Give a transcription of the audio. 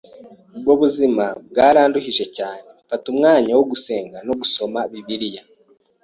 Ubwo buzima bwaranduhije cyane mfata umwanya wo gusenga no gusoma bibilia